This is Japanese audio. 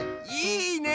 いいね！